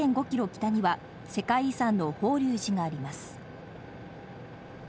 北には世界遺産の法隆寺があります。